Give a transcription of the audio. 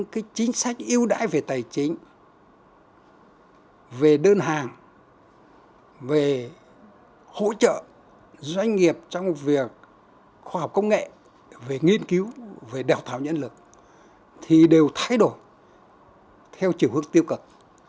khoa học công nghệ về nghiên cứu về đào tạo nhân lực thì đều thay đổi theo chiều hước tiêu cực